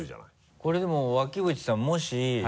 これでも脇淵さんもし。